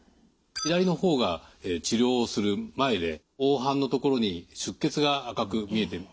左の方が治療をする前で黄斑の所に出血が赤く見えてる。